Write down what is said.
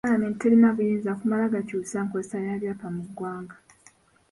Palamenti terina buyinza kumala gakyusa nkozesa ya byapa mu ggwanga.